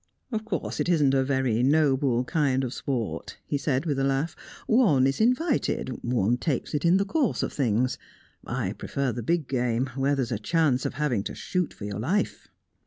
"Of course it isn't a very noble kind of sport," he said, with a laugh. "One is invited one takes it in the course of things. I prefer the big game, where there's a chance of having to shoot for your life."